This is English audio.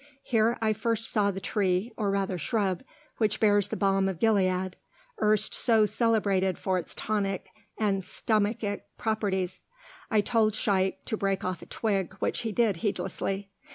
Here I first saw the tree, or rather shrub, which bears the balm of Gilead, erst so celebrated for its tonic and stomachic properties. I told Shaykh to break off a twig, which he did heedlessly.